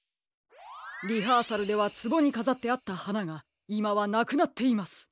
リハーサルではツボにかざってあったはながいまはなくなっています。